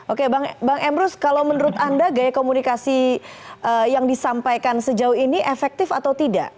oke bang emrus kalau menurut anda gaya komunikasi yang disampaikan sejauh ini efektif atau tidak